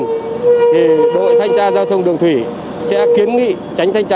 thì đội thanh tra giao thông đường thủy sẽ kiến nghị tránh thanh tra